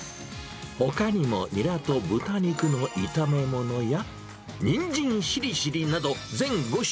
ほかにもニラと豚肉の炒め物や、にんじんしりしりなど、全５品。